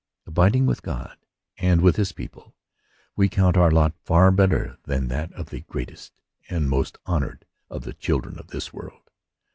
Abid ing with God, and with his people, we count our lot far better than that of the greatest and most honored of the children of this world.